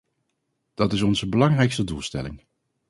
Dat is onze belangrijkste doelstelling.